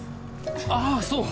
あっそう！